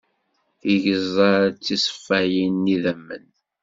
Tigeẓẓal d tiṣeffayin n yidammen.